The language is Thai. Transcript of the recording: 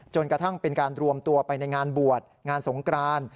จนกระทั่งเป็นการรวมตัวไปในงานบวชงานสงกราน